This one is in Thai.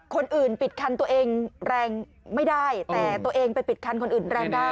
คนอื่นปิดคันตัวเองแรงไม่ได้แต่ตัวเองไปปิดคันคนอื่นแรงได้